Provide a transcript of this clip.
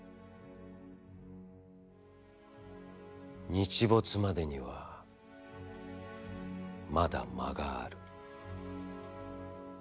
「日没までには、まだ間がある。